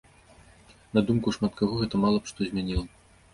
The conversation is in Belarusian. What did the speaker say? На думку шмат каго, гэта мала б што змяніла.